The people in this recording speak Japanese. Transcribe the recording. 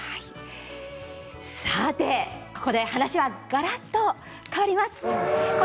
さてここで話はがらっと変わります。